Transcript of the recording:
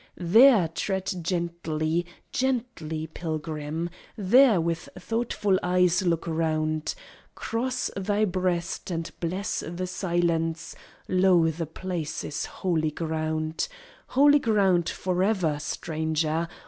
There tread gently gently, pilgrim; there with thoughtful eyes look round; Cross thy breast and bless the silence: lo, the place is holy ground! Holy ground for ever, stranger!